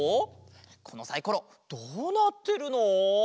このサイコロどうなってるの？